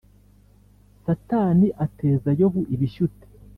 Satani ateza Yobu ibishyute